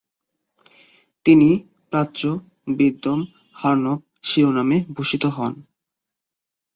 তিনি "প্রাচ্যবিদ্যামহার্ণব" শিরোনামে ভূষিত হন।